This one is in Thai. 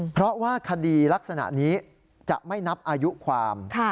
เพราะว่าคดีลักษณะนี้จะไม่นับอายุความ